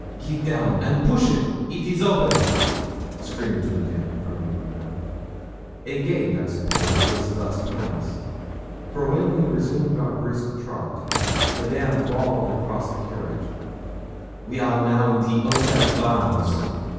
'Get down and poosh it, it is open,' screamed Madame from the window. A gate, I suppose, was thus passed; for when we resumed our brisk trot, Madame bawled across the carriage 'We are now in the 'otel grounds.'